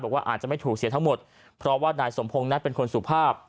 อาจจะไม่ถูกเสียทั้งหมดเพราะว่านายสมพงศ์นั้นเป็นคนสุภาพ